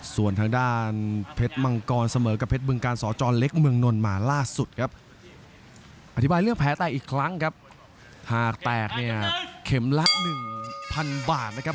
ส่วนทางด้านเพชรมังกรเสมอกับเพชรมริงกาลสจรเล็กมรงดมาล่าสุดครับ